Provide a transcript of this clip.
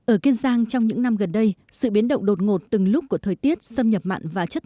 ở kiên giang trong những năm gần đây sự biến động đột ngột từng lúc của thời tiết xâm nhập mặn và